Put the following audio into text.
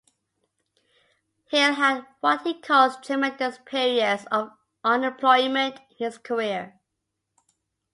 Hill had what he calls "tremendous periods of unemployment" in his career.